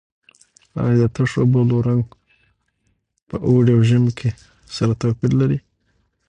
آیا د تشو بولو رنګ په اوړي او ژمي کې سره توپیر لري؟